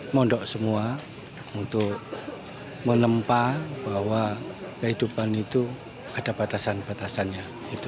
mondok semua untuk menempa bahwa kehidupan itu ada batasan batasannya